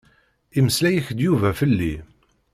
Imeslay-ak-d Yuba fell-i?